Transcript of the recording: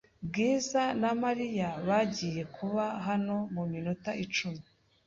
Bwiza na Mariya bagiye kuba hano muminota icumi